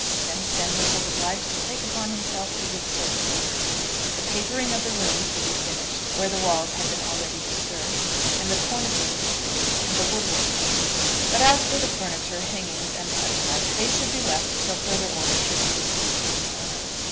Then Fenwick was obliged to take upon himself to give certain orders. The papering of the rooms should be finished where the walls had been already disturbed, and the cornices completed, and the wood work painted. But as for the furniture, hangings, and such like, they should be left till further orders should be received from the owner.